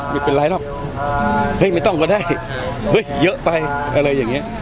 ไม่เป็นไรหรอกเฮ้ยไม่ต้องก็ได้เฮ้ยเยอะไปอะไรอย่างนี้